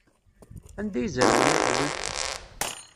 Anda ay zerwen iḍelli?